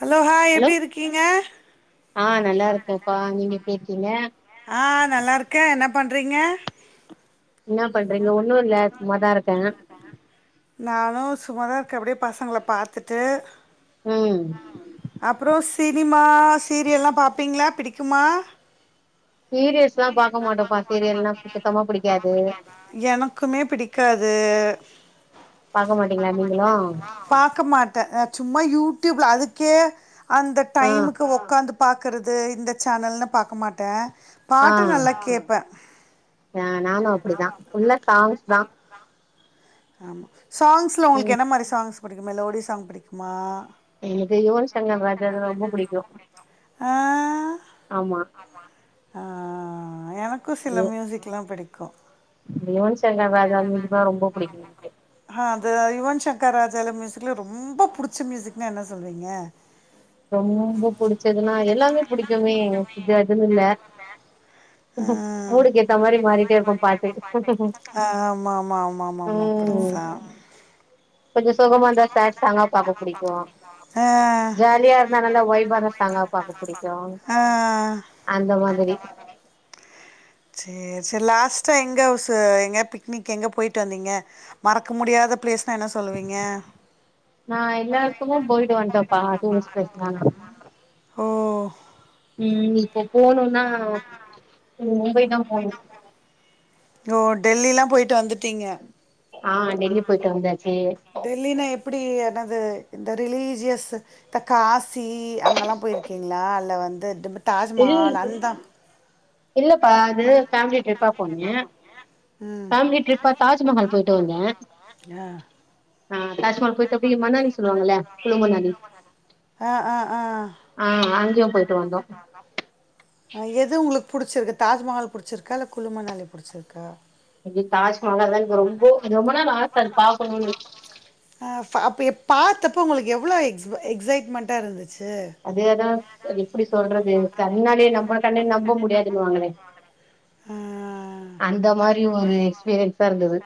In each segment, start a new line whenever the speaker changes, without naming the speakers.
Hello hi
hello
எப்டி இருக்கீங்க
ஆ நல்லா இருக்கேப்பா நீங்க எப்டி இருக்கீங்க
ஆ நல்லா இருக்கே என்ன பண்றீங்க
என்ன பண்றீங்க ஒன்னும் இல்ல சும்மாதான் இருக்க
நானும் சும்மாதா இருக்க அப்டே பசங்கள பார்த்துட்டு
ம்
அப்பறோ சினிமா சீரியல்லாம் பார்ப்பீங்களா பிடிக்குமா
சீரியல்ஸ்லாம் பாக்க மாட்டப்பா சீரியல்லாம் சுத்தமா புடிக்காது
எனக்குமே பிடிக்காது
பாக்க மாட்டீங்களா நீங்களும்
பாக்க மாட்ட அ சும்மா யூடியூப்ல அதுக்கே அந்த
ஆ
டைமுக்கு உட்காந்து பாக்கறது இந்த சேனல்னு பாக்க மாட்டே பாட்டு நல்லா கேப்ப
எ நானும்
நானும் அப்டி தா [unintelligible] ஆமா சாங்ஸ்ல உங்களுக்கு
ம்
என்ன மாரி சாங்ஸ் பிடிக்கும் மெலோடி சாங் பிடிக்குமா
எனக்கு யுவன் சங்கர்ராஜாது ரொம்ப புடிக்கும்
ஆ
ஆமா
ஆமா அ அ அ எனக்கும் சில
யு-
மியூசிக்லாம் புடிக்கும்
யுவன் சங்கர் ராஜா மியூசிக் தா ரொம்ப புடிக்கும்
ஆ அது யுவன் சங்கர் ராஜால மியூசிக்ல ரொம்ப புடிச்ச மியூசிக்னா என்ன சொல்லுவீங்க
ரொம்ப புடிச்சதுன்னா எல்லாமே புடிக்குமே இது அதுன்னு இல்ல
ஆ
இப்ப மூடுக்கு ஏத்த மாரி மாறிட்டே இருக்கும் பாட்டு
ஆ ஆமா ஆமா ஆமா ஆமா ஆமா
ம்
அப்டித்தா
கொஞ்சோ சோகமா இருந்தா சாட் சாங்கா பாக்க புடிக்கோ
ஆ
ஜாலியா இருந்தா நல்லா வைபான சாங்கா பாக்க புடிக்கும்
ஆ
அந்த மாதிரி
சேரி சேரி லாஸ்ட்டா எங்க சூ எங்க பிக்னிக் எங்க போய்ட்டு வந்தீங்க மறக்க முடியாத பிளேஸ்னா என்ன சொல்லுவீங்க
நா எல்லா இடத்துக்கும் போய்ட்டு வன்டப்பா டூரிஸ்ட் பிளேஸ் நாளா
ஓ
ம் இப்போ போனும்னா மும்பை தான் போனும்
ஓ டெல்லிலாம் போய்ட்டு வந்துட்டீங்க
ஆ டெல்லி போய்ட்டு வந்தாச்சு
டெல்லினா எப்டி எனது இந்த ரிலீஜியஸ் இந்த காசி அங்கல்லாம் போயிருக்கீங்களா இல்ல வந்து திம்தா
இல்
தாஜ்மஹால் அந்த
இல்லப்பா அது ஃபேமிலி ட்ரிப்பா போனே
ம்
ஃபேமிலி ட்ரிப்பா தாஜ்மஹால் போய்ட்டு வந்த
அ
ஆ தாஜ்மால் போய்ட்டு அப்டீ மணாலி சொல்லுவாங்கல்ல குளூ மணாலி
ஆ ஆ ஆ
ஆ அங்க போய்ட்டு வந்தோம்
[unintelligible] எது உங்களுக்கு புடிச்சிருக்கு தாஜ்மஹால் புடிச்சிருக்கா இல்ல குளுமணாலி புடிச்சிருக்கா
எனக்கு தாஜ்மஹால் தான் ரொம்போ ரொம்ப நாள் ஆச அத பாக்கனும்னு
அ அப்ப அப்ப எப் பார்த்தப்ப உங்களுக்கு எவ்ளோ எக்ஸ் எக்ஸைட்மெண்ட்டா இருந்துச்சு
அதேதான் எப்டி சொல்றது கண்ணாலே நம்ப கண்ணே நம்ப முடியாதுன்னு வாங்களே
ஆ
அந்த மாரி ஒரு எக்ஸ்பீரியன்ஸா இருந்தது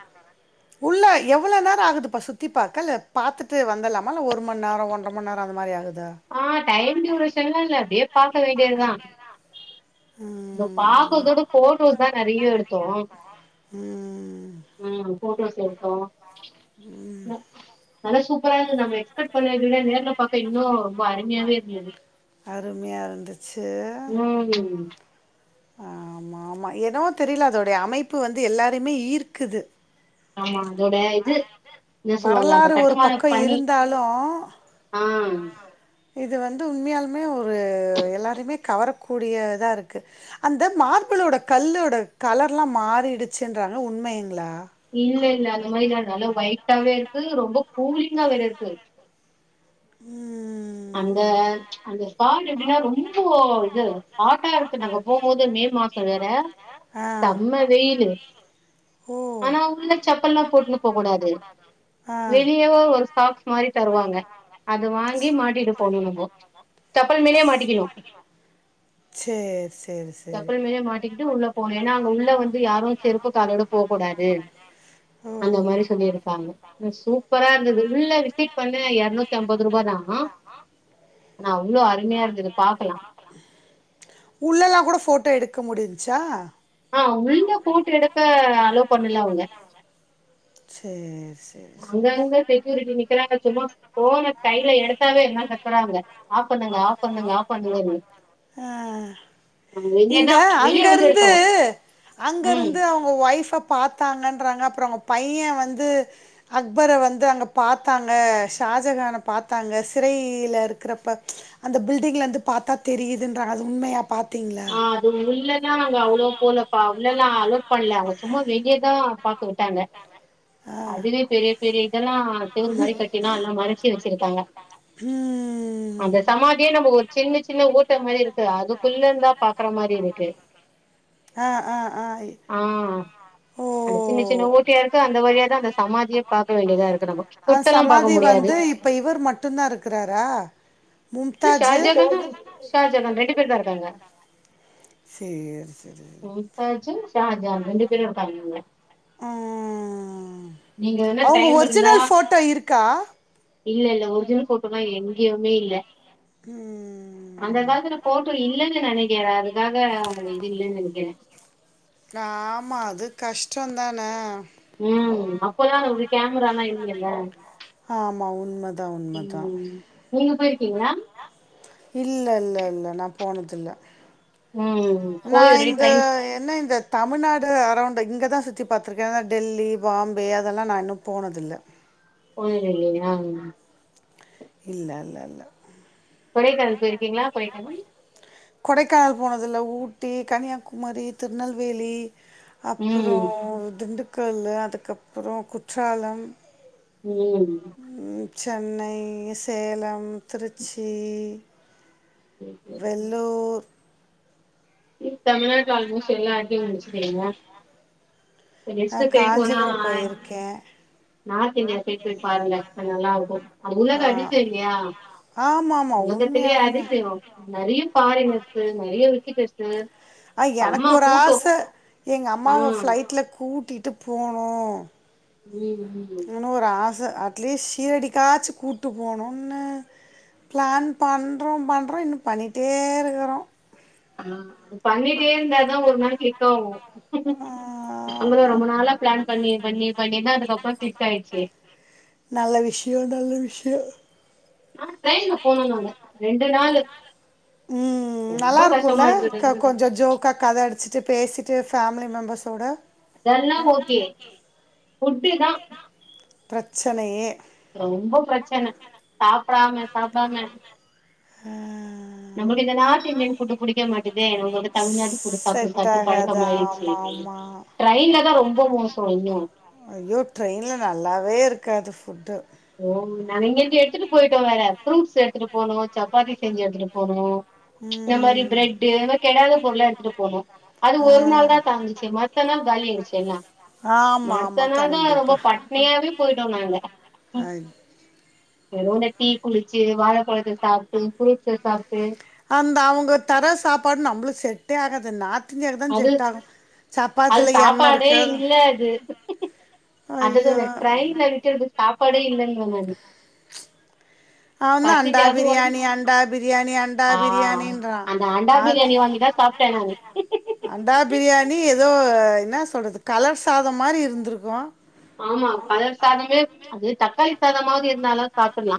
உள்ள எவ்ளோ நேரம் ஆகுதுப்பா சுத்தி த்தி பாக்க இல் பாத்துட்டு வந்தரலாமா இல்ல ஒரு மநேரம் ஒன்றம நேரம் அந்த மாரி ஆகுதா
ஆ டைம் டியூரேஷன்லா இல்ல அப்டியே பாக்க வேண்டியதுதா ஓ
ம்
பாக்கதோட ஃபோட்டோஸ் தா நெறையா எடுத்தோ
ம்
உம் ஃபோட்டோஸ் எடுத்தோ ந நல்லா சூப்பரா இருது நம்ம எக்ஸ்பெக்ட் பண்ணத் விட நேர்ல பாக்க இன்னு பா அருமையாவே இருந்தது
அருமையா இருந்துச்சு.
உம்
ஆமா ஆமா ஏனோ தெரில அதோடைய அமைப்பு வந்து எல்லாரையுமே ஈர்க்குது
ஆமா அதோட இது என்ன சொல்லுவாங்க அந்த
வரலாறு ஒரு
கட்டுமான
பக்க
பணி
இருந்தாலு
ஆ
இது வந்து உண்மையாலுமே ஒரு எல்லாரையுமே கவரக்கூடியதா இருக்கு அந்த மார்பிளோட கல்லோட கலர்ல்லா மாறிடுச்சுன்றாங்க உண்மைங்களா
இல்ல இல்ல அந்த மாரிலா நல்லா ஒயிட்டாவே இருக்கு ரொம்ப கூலிங்கா வேற இருக்கு
உம்
அந்த அந்த ஸ்பாட் எப்டின்னா ரொம்போ இது ஹாட்டா இருக்குன்னாங்க போம்போது மே மாஸ்
ஆ
வெயிலு
ஓ!
ஆனா உள்ள சப்பல்ல்லா போட்னு போக கூடாது
ஆ.
வெளியவோ ஒரு சாக்ஸ் மாரி தருவாங்க அது வாங்கி மாட் இது போட்ணு நம்போ சப்பல் மேலேயே மாட்டிக்கணு
சரி, சரி, சரி.
சப்பல் மேலே மாட்டிக்கிட்டு உள்ள போ ஏன்னா அங்க உள்ள வந்து யாரு செருப்பு காலோட போ கூடாது
ஓ!
அந்த மாரி சொல்லியிருக்காங்க நு சூப்பரா இருந்தது உள்ள விசிட் பண்ண யற்நூத் அம்பது ரூபா தா நா அவ்ளோ அருமையா இருந்தது பாக்கலா
உள்ளெல்லா கூட ஃபோட்டோ எடுக்க முடின்ச்சா
ஆ உள்ள போட்டு எடுக்க அலோ பண்ணல அவங்க
சேர்ஸ்
அங்கங்க செக்யூரிட்டி நிக்கிறாங்க சும்மா ஃபோன கைய்ல எடுத்தாவே எல்லா கத்தறாங்க ஆப் பண்ணாங்க ஆஃப் பண்ணுங்க ஆஃப் பண்ணுங்கன்னு
அ
நாங்க வெளியதா
இந்த
வெளிய வந்து
அங்கருந்து
எடுத்தோ ம்
அங்கருந்து அவ் ஒ ஒய்ஃப பாத்தாங்கன்றாங்க அப்றோ அவங்க பைய வந்து அக்பர வந்து அங்க பாத்தாங்க ஷாஜகான பாத்தாங்க சிறை யில இருக்றப்ப அந்த பில்டிங்ல இருந்து பாத்தா தெரியுதுன்றாங்க அது உண்மையா பாத்தீங்ளா
ஆ அது உள்ளதா அங்க அவ்ளோ போலப்பா உள்ளல்லா அலோ பண்ல அவங்க சும்மா வெகியதா பாக்க விட்டாங்க
ஆ
அதுவே பெரிய பெரிய இதெல்லா செவுறு மாரி கட்டினா எல்லா மறச்சி வெச்சிருக்காங்க
உம்
அந்த சமாதியே நம்ப ஓர் சின்ன சின்ன ஓட்ட மாரி இருக்கு அதுக்குள்ள இந்தா பாக்குற மாரி இருக்கு
ஆ ஆ ஆ
ஆ
ஓ
அந்த சின்ன சின்ன ஓட் ட்டியா இருக்கு அந்த வழியா தா அந்த சமாதியே பாக்க வேண்டியதா இருக்கு நம்ம தொட்டெல்லா பாக்க முடியாது
ப்ப இவர் மட்டுன்தா இருக்குறாரா
இ ஷாஜகானா ஷாஜகான் ரெண்டு பேர் தா இருக்காங்க
சேரி சேரி
ஷாஜான் ரெண்டு பேரு இருக்காங்க உள்ள
ம்
நீங்க என்ன
அவங்க
டைம் இருந்தா
ஒரிஜினல் ஃபோட்டோ இருக்கா
இல்ல இல்ல ஒர்ஜினல் ஃபோட்டோலா எங்கயுமே இல்ல
உம்
அந்த காலத்துல ஃபோட்டோ இல்லன்னு நெனைக்கிறே அதுக்காக அதுல இது இல்லன்னு நெனைக்கிறே
காமா அது கஷ்டோதானே
உம் அப்பதான ஒரு கேமராலா இல்லியல்ல
ஆமா உண்மதா உண்மதா
நீங்க போய்ருக்கிங்ளா?
இல்ல இல்ல இல்ல நா போனது இல்ல
ம்
நா
போய் ஒரே
இந்த
டைம்ஸ்
என்ன இந்த தமிழ்நாடு அரௌண்டு இங்க தா சுத்தி பாத்துருக்கே ஆனா டெல்லி பாம்பே அதெல்லா நா இன்னு போனதில்ல
போனதில்லயா
இல்ல இல்ல இல்ல
கொடைக்கானல் பேய்ருக்கீங்ளா கொடைக்கானல்
கொடைக்கானல் போனது இல்ல ஊட்டி, கன்னியாகுமரி, திருநெல்வேலி அப்பறோ
ம்
திண்டுக்கல், அதுக்கப்பறோ குற்றாலம்
ம்
ம் சென்னை, சேலம், திருச்சி வெல்லூர்
தமிழ்நாட்டுல ஆல்மோஸ்ட் எல்லா எடத்தயு முடிச்சுட்டிங்களா? இந்த
ஆ,
லிஸ்ட் இப்டியே போனா
காஞ்சிபுரம் போயிருக்கேன்
நார்த் இந்தியா சைடு போய் பாருங்க அது நல்லா இருக்கு அது உலக
ஆ,
அதிசயம் இல்லையா
ஆமா ஆமா
உலகத்துலயே
உண்மையாலுமே
அதிசயோ, நறைய ஃபாரினர்ஸ் நறைய விசிட்டர்ஸ்
ஆ எனக்கு ஒரு ஆச எங்க
ஆ
அம்மாவ ஃப்ளைட்ல கூட்டிட்டு போணு
ம் ம்
ன்னு ஒரு ஆச அட்லீஸ்ட் சீரடிக்காச்சு கூப்ட்டு போணுனு பிளான் பண்ணுறோ பண்ணுறோ இன்னு பண்ணிட்டே இருக்கறோ
ஆ அது பண்ணிட்டே இருந்தாதா ஒரு நாள் கிளிக்காவு நாங்களு
ஆமா
ரொம்ப நாளா பிளான் பண்ணி பண்ணி பண்ணிதா அதுக்கப்பறோ கிளிக் ஆயிருச்சு
நல்ல விஷ்யோ நல்ல விஷ்யோ
ஆனா ட்ரைன்ல போனோ நாங்க ரெண்டு நாளு
ம்
ரொம்ப
நல்லா இருக்குல்ல
கஷ்டமா இருந்தது
க கொஞ்சோ ஜோக் கா கத அடிச்சிட்டு பேசிட்டு ஃபேமிலி மெம்பர்ஸ்ஸோட
அதெல்லா ஓகே ஃபுட்டு தா
பிரச்சனையே
ரொம்ப பிரச்சன சாப்டாம சாப்டாம
ம்
நமக்கு இந்த நார்த் இந்தியன் ஃபுட் புடிக்க மாட்டுதே நமக்கு தமிழ்நாடு ஃபுட்டு சாப்ட்டு
செட்
சாப்ட்டு
ஆகாது
பழக்கமாயிடுச்சி.
ஆமா ஆமா
ட்ரெயின்ல தா ரொம்ப மோசம் இன்னு.
ஐயோ ட்ரெயின்ல நல்லாவே இருக்காது ஃபுட்டு
ஓ நாங்க இங்கிருந்து எடுத்துட்டு போயிட்டோ வேற ஃப்ரூட்ஸ் எடுத்துட்டு போனோ சப்பாத்தி செஞ்சு எடுத்துட்டு போனோ இந்த மாரி
ம்
பிரெட் அது மாரி கெடாத பொருள்லா எடுத்துட்டு போனோ அது
ஆ
ஒரு நாள் தா தாங்கிச்சு மத்த நாள் காலியாயிருச்சி எல்லா
ஆமா ஆமா
மத்த நாள் தா
கண்டிப்பா
ரொம்ப பட்னியாவே போயிட்டோ நாங்க
ஐ,
வெறு இந்த டீ குடிச்சு வாழைப்பழத்த சாப்பிட்டு ஃப்ரூட்ஸ சாப்பிட்டு
அந்த அவங்க தர சாப்பாடு நம்ளுக்கு செட்டே ஆகாது நா
அது அது
எண்ணெய்
சாப்பாடே
இருக்காது
இல்ல அது அதாது
ஐயோ
அந்த ட்ரைன்ல விக்கிறது சாப்பாடே இல்லங்குற நானு.
அவந்தா அண்டா
பசிக்காது வாங்கி
பிரியாணி, அண்டா பிரியாணி, அண் டா
ஆ
பிரியாணின்றா
அந்த அண்டா பிரியாணி வாங்கிதா சாப்ட்டே நானு
அண்டா பிரியாணி ஏதோ என்ன சொல்றது கலர் சாதம் மாரி இருந்துருக்கு
ஆமா கலர் சாதமே அது தக்காளி சாதமாவது இருந்தாலு சாப்ட்றலா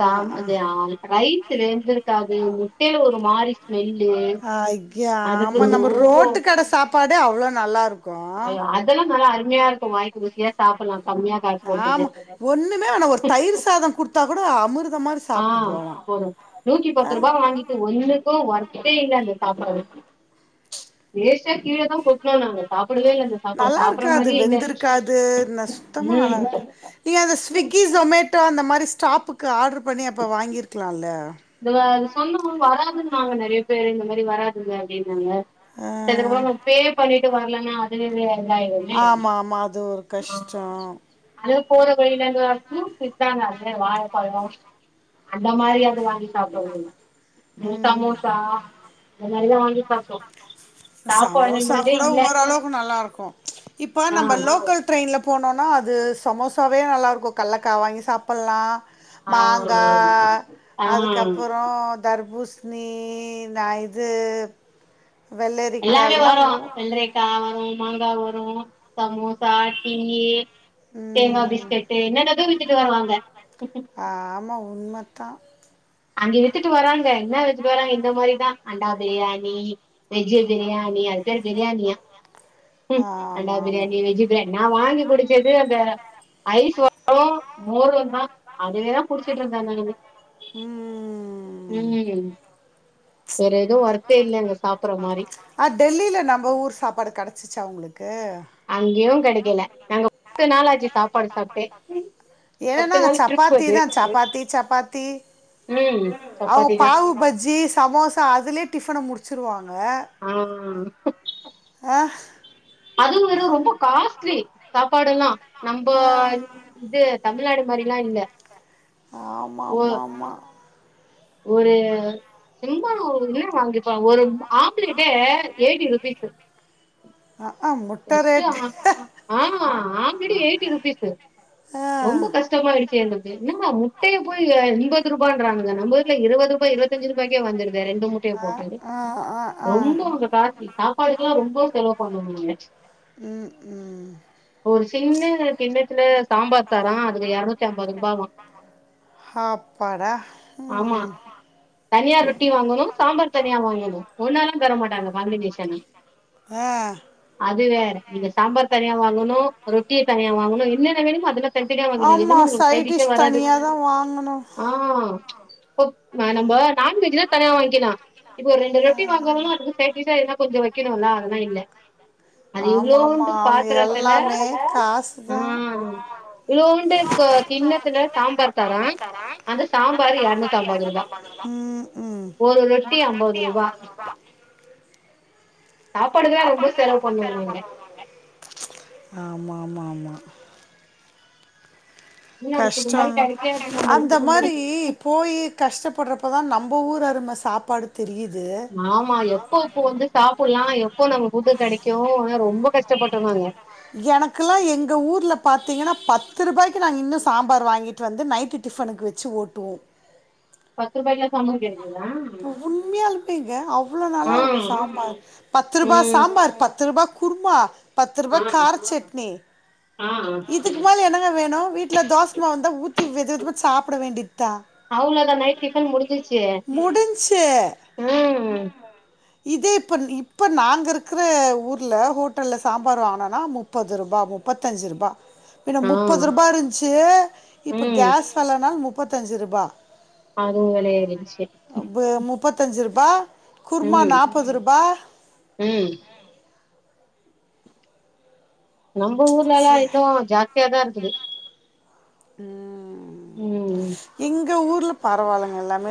ச அது ஆ ரைஸ் வெந்துருக்காது முட்டையில ஒரு மாரி ஸ்மெல்லு
ஆ ஐய
அதுக்கு
ஆமா நம்ம
ஓ
ரோட்டு கடை சாப்பாடே அவ்வளவு நல்லா இருக்கும்
அயோ அதெல்லா நல்ல அருமயா இருக்கு வாய்க்கு ருசியா சாப்பட்லா கம்மியா காசு போட்டுட்டு
ஆமா ஒண்ணுமே வேணா ஒரு தயிர் சாதம் கொடுத்தா கூட அமிர்த மாரி
ஆ
சாப்ட்டு போலா
ஒரு நூத்தி பத்து ரூபா வாங்கிட்டு ஒண்ணுக்கு ஒர்த்தே இல்ல அந்த சாப்பாடு வேஸ்டா கீழ தா கொட்னோ நாங்க சாப்படவே இல்லங்க
நல்லா இருக்காது வெந்திருக்காது ந சுத்தமா நல்லா
ம்
இருக்க நீங்க அந்த ஸ்விகி சொமேட் டோ அந்த மாரி ஸ்டாப்புக்கு ஆர்ட்ரு பண்ணி அப்போ வாங்கியிருக்கலால
அது சொல்லு போது வராதுன்னாங்க நெறைய பேரு இந்த மாரி வராதுங்க அப்டின்னாங்க தெரிஞ்சக்கப்புறோ
ஆ
நம் பே பண்ணிட்டு வரலன்னா அதுவே இதாயிறு
ஆமா ஆமா அது ஒரு கஷ்டோ
அப்டே போற வழியில இது ஃபுரூட்ஸ் வித்தாங்க வாழப்பழோ அந்த மாரியாது வாங்கி மினி
ம்
சமோசா இந்த மாரிதா வாங்கி சாப்டோ
சமோசா கூட ஓர் அளவுக்கு நல்லா இருக்கு இப்ப
ஆ
நம்ம லோக்கல் ட்ரெயின்ல போனோனா அது சமோசாவே நல்லாருக்கு கல்லக்கா வாங்கி சாப்பல்லா
ஆ
மாங்கா
ஆ
அதுக்கப்புறோ தர்பூஸ்ணீ நா இது
எல்லாமே
வெள்ளரிக்கால்லா
வரு
ஊ
வெள்ரிக்கா வரு மாங்கா வரு சமோசா டீயி தேங்கா
ம்
பிஸ்கட்டு என்னன்னதோ வித்துட்டு வருவாங்க
ஆமா உண்மத்தா
அங்க வித்துட்டு வராங்க என்னா வித்துட்டு வராங்க இந்த மாரிதா அண்டா பிரியாணி வெஜ்ஜு பிரியாணி அது பேரு பிரியாணியா ம் அண்டா
ஆமா ஆமா
பிரியாணி வெஜ் நா வாங்கி குடிச்சது அந்த ஐஸ் வ [inaudible] மோரு தா அதுவேதா குடிச்சிட்டு இருந்த நானு
ம்ம்ம்ம்ம்
வேற எது வொர்த்தே இல்லங்க சாப்
ஆ டெல்லில நம்ம ஊர் சாப்பாடு கெடச்சிச்சா உங்ளுக்கு
அங்கியு கெடைக்கல நாங்க [inaudible] நாளாச்சு சாப்பாடு சாப்ட்டே
ஏனா
பத்து
அங்க
நாள் ட்ரிப்
சப்பாத்தி
அது
தா சப்பாத்தி சப்பாத்தி
ம்
அவுங்க
சப்பாத்தி தா
பாவு பஜ்ஜி சமோசா அதுலயே டிஃபன முடிச்சிருவாங்க
ஆ
அஹ்
அது ஒரு ரொம்ப காஸ்ட்லி சாப்பாடெல்லா நம்போ
ஆ,
இது தமிழ்நாடு மாரிலா இல்ல
ஆமா
ஒ
அம்மா அம்மா
ஒரு சும்மா என்ன வாங்கிப்பா ஒரு ஆம்லேட்டே எய்ட்டி ருபீஸ்சு
ஆஆ முட்
ஆ ஃபஸ்டே ஆமா ஆம்லேட்டே எயிட்டி ருபீஸ்சு
ஆ
ரொம்ப கஷ்டமாயிடுச்சு எங்களுக்கு என்னடா முட்டைய போய் எம்பது ரூபான்றாங்களே நம்ம ஊர்ல இருவது ரூபா இருவத் தஞ்சு ரூபாய்கே வந்துடுதே ரெண்டு முட் முட்டய
ஆ
போட்டுடு
ஆ ஆ ஆ
ரொம்ப அங்க காஸ்லி சாப்பாடுக்கே ரொம்ப செலவு பண்ணோ நானு
ம் ம்
ஒரு சின்ன கிண்ணத்துல சாம்பார் தரா அதுக்கு எரநூத்தி அம்பது ருபாவா
ஹப்பாடா
ஆமா தனியா ரொட்டி வாங்கணு சாம்பார் தனியா வாங்கணு ஒன்னாலா தர மாட்டாங்க காம்பினேஷனா
ஆ
அது வேற நீங்க சாம்பார் தனியா வாங்கணு ரொட்டிய தனியா வாங்கணு என்னென்ன வேணுமோ அதெல்லா தனித்தனியா வாங்கணு எதுவு
ஆமாம்
உங்களுக்கு சைட் டிஷ்ஷே
டிஷ்
வராது
தனியாக தான் வாங்கணும்
ஆ இப்ப நம்ப நான்வெஜ்னா தனியா வாங்கிளா இப்ப ஒரு ரெண்டு ரொட்டி வாங்கறோனா அதுக்கு சைட் டிஷ்ஷா எதுனா கொஞ்ச வைக்கணுல அதெல்லா இல்ல அது
ஆமாம்
இவ்ளோண்டு
ஆமாம் அவங்க
பாத்தரத்துல
எல்லாமே காசு
ஆ
தான்
இவுளூண்டு க கிண்ணத்துல சாம்பார் தரா. அந்த சாம்பாரு எர்நூத்தம்பது ருபா.
ம் ம்.
ஐம்பது ரூபா சாப்பாடுக்லா ரொம்போ செலவு பண்ணுவோ நாங்க.
ஆமா ஆமா ஆமா.
தமிழ்நாடு ஃபுட்டு மாரி
கஷ்டொந்தா.
கெடைக்காது
அந்த
நம்மளுக்கு
மாரீ போயி கஷ்டப்பட்றப்பதா நம்ப ஊரு அரும சாப்பாடு தெரியிது.
ஆமா எப்போ உப்பொ வந்து சாப்புல்லா எப்போ நம்ம ஃபுட்டு கெடைக்கு அ ரொம்பொ கஷ்டப்பட்டோ நாங்க.
எனக்குல்லா எங்க ஊர்ல பாத்திங்கனா பத்து ருபாய்க்கி நாங் இன்னு சாம்பார் வாங்கி ட்டு வந்து நைட்டு டிஃப்னுக்கு வெச்சு ஓட்டுவோ.
பத்து ருபாய்க்கே சாம்பாரு கெடைக்கிதா.
ப்பு உண்மையாளுமேங்க அவ்ளோ
ஆ
நல்லாருக்கு சாம்பார் பத்து ருபா
ம்
சாம்பார் ப த்து ருபா குருமா, பத்து ருபா
ஆ
கார சட்னி
ஆ
இதுக்கு மேல என்னங்க வேணு வீட்ல தோசமாவு இந்தா ஊத்தி விதவிதமா சாப்பட வேண்டித்தா
அவ்ளதா நைட் டிஃபன் முடிஞ்சிருச்சே.
முடிஞ்ச்சு. இதே இப்பன் இப்ப நாங்க இருக்ற ஊர்ல ஹோட்டல்ல சாம்பார் வாங்னனா முப் பது ருபா முப்பத்தஞ்சு ருபா.
[inaudible]
மின்ன முப்பது ருபா இருஞ்ச்சு. இப்போ
ம்
கேஸ் வெலனால் முப்பத்தஞ்சு ருபா.
அதுவு வெல ஏறிடுச்சு.
வு முப்பத்தஞ்சு ருபா குர்மா
ம்
நாப்பது ருபா.
ம். நம்ப ஊர்ல எல்லா
ச்சே
இன்னு ஜாஸ்த்தியாதா இருக்குது.
ம்.
ம் ம்.
எங்க ஊர்ல பரவாலங்க எல்லாமே